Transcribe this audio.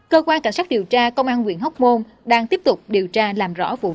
cơ quan cảnh sát điều tra công an huyện hóc môn đang tiếp tục điều tra làm rõ vụ việc